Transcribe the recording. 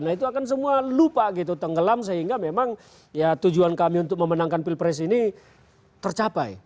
nah itu akan semua lupa gitu tenggelam sehingga memang ya tujuan kami untuk memenangkan pilpres ini tercapai